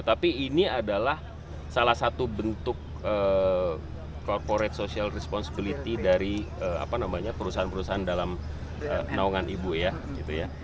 tapi ini adalah salah satu bentuk corporate social responsibility dari perusahaan perusahaan dalam naungan ibu ya gitu ya